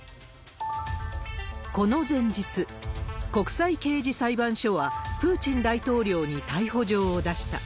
この前日、国際刑事裁判所は、プーチン大統領に逮捕状を出した。